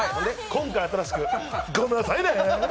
今回新しく、ごめんなさいねぇ。